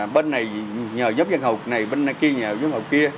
bên này nhờ nhóm văn hồ này bên kia nhờ nhóm hồ kia